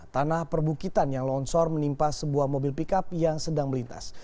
tanah perbukitan yang longsor menimpa sebuah mobil pickup yang sedang melintas